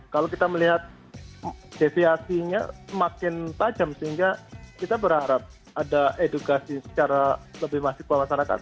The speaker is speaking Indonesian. kalau kita melihat deviasinya semakin tajam sehingga kita berharap ada edukasi secara lebih masif ke masyarakat